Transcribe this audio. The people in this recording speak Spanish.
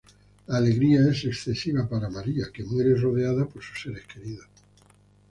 La alegría es excesiva para María, que muere rodeada por sus seres queridos.